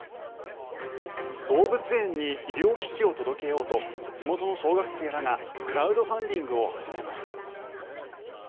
動物園に医療機器を届けようと地元の小学生らがクラウドファンディングを始めました。